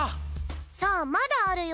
さあまだあるよ。